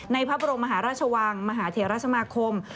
พระบรมมหาราชวังมหาเทราสมาคม